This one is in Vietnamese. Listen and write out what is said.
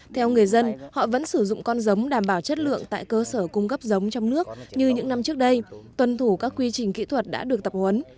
theo người dân họ vẫn sử dụng con giống đảm bảo chất lượng tại cơ sở cung cấp giống trong nước như những năm trước đây tuân thủ các quy trình kỹ thuật đã được tập huấn